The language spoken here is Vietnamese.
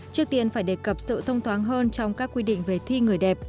trước tiên phải đề cập sự thông thoáng hơn trong các quy định về thi người đẹp